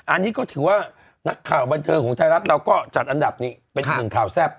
อันนี้ก็ถือว่านักข่าวบันเทิงของไทยรัฐเราก็จัดอันดับนี้เป็นอีกหนึ่งข่าวแซ่บ